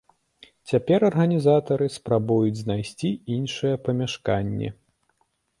Цяпер арганізатары спрабуюць знайсці іншае памяшканне.